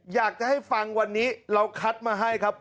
อยากจะให้ฟังวันนี้เราคัดมาให้ครับ